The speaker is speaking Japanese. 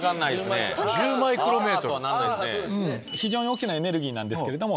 非常に大きなエネルギーなんですけれども。